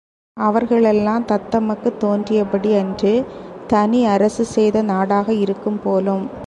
அவர்களெல்லாம் தத்தமக்குத் தோன்றியபடி அன்று தனி அரசு செய்த நாடாக இருக்கும் போலும்.